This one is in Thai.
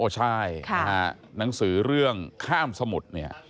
ใช่หนังสือเรื่องข้ามสมุทร